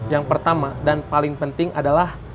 yang pertama dan paling penting adalah